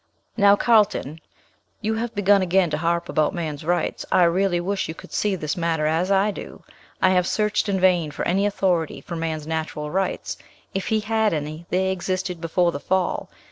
"Now, Carlton, you have begun again to harp about man's rights; I really wish you could see this matter as I do. I have searched in vain for any authority for man's natural rights; if he had any, they existed before the fall.